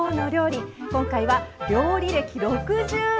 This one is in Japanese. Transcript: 今回は料理歴６０年。